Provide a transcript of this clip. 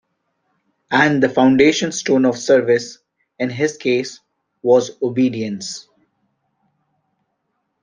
And the foundation stone of service, in his case, was obedience.